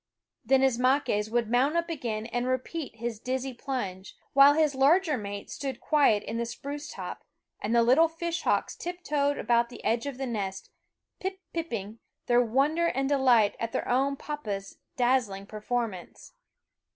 Then Ismaques would mount up again and repeat his dizzy plunge, while his larger mate stood quiet in the spruce top, and the little fishhawks tip toed about the edge of the nest, pip pipping their wonder and delight at their own papa's dazzling performance.